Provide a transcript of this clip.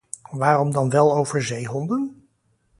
Waarom dan wel over zeehonden?